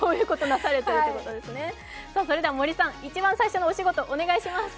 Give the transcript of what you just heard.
森さん、一番最初のお仕事、お願いします。